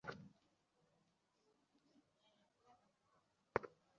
সুন্দরবন হোটেল-সংলগ্ন স্থানে প্রথম ভূমিধসের ঘটনা ঘটে বুধবার সকাল সাতটার কিছু পরে।